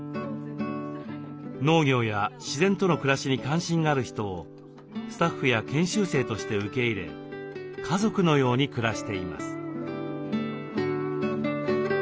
農業や自然との暮らしに関心がある人をスタッフや研修生として受け入れ家族のように暮らしています。